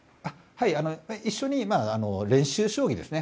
一緒に練習将棋ですね。